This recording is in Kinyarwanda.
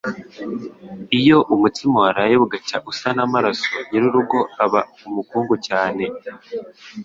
Iyo umutsima waraye bugacya usa n’amaraso, nyir’urugo ngo aba umukungu cyane